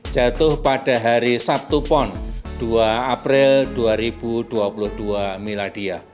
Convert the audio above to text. jatuh pada hari sabtu pon dua april dua ribu dua puluh dua miladia